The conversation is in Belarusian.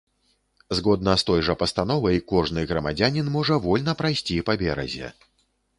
Згодна з той жа пастановай, кожны грамадзянін можа вольна прайсці па беразе.